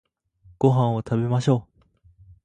ご飯を食べましょう